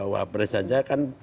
wapres aja kan